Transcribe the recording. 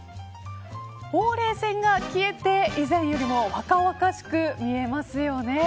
ほうれい線が消えて、以前よりも若々しく見えますよね。